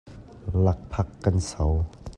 Lakphak kan so lai.